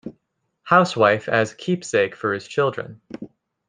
Housewife as keepsake for his children.